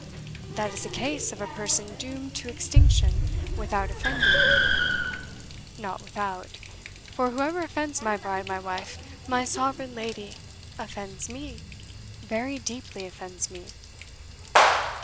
"That is a case of a person doomed to extinction without offending." "Not without: for whoever offends my bride, my wife, my sovereign lady, offends me: very deeply offends me."